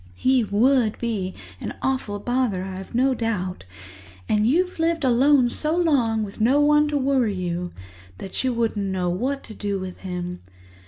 "He would be an awful bother, I've no doubt, and you've lived alone so long with no one to worry you that you wouldn't know what to do with him.